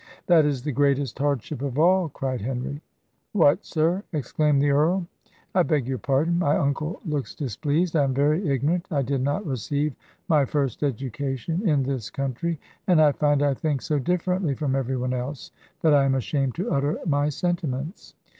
"That is the greatest hardship of all," cried Henry. "What, sir?" exclaimed the earl. "I beg your pardon my uncle looks displeased I am very ignorant I did not receive my first education in this country and I find I think so differently from every one else, that I am ashamed to utter my sentiments."